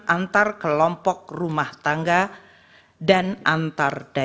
antar kelompok rumah tangga dan antar daerah